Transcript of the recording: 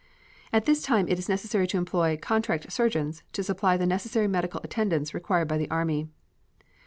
At this time it is necessary to employ "contract surgeons" to supply the necessary medical attendance required by the Army.